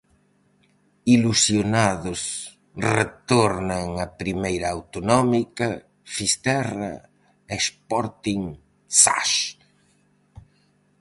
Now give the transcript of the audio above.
Ilusionados retornan a Primeira Autonómica Fisterra e Sporting Zas.